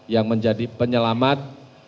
yang menjadi penyelamat